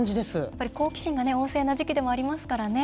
やっぱり好奇心が旺盛な時期でもありますからね。